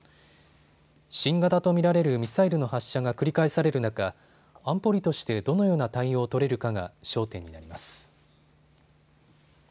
新型と見られるミサイルの発射が繰り返される中、安保理としてどのような対応を取れるかが焦点になります。